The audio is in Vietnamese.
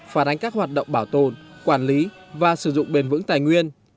phản ánh các hoạt động bảo tồn quản lý và sử dụng bền vững tài nguyên